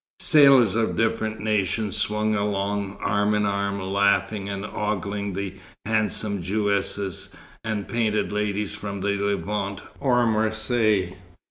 Sailors of different nations swung along arm in arm, laughing and ogling the handsome Jewesses and painted ladies from the Levant or Marseilles.